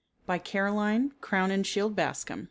CAROLINE CROWNINSHIELD BASCOM.